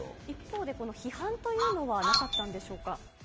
一方で批判というのはなかったんでしょうか。